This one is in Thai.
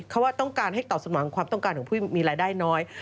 เขาว่าต้องการให้ตอบสนองความต้องการของผู้มีรายได้น้อย